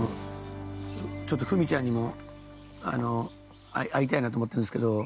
ちょっとふみちゃんにも会いたいなと思ってるんですけど。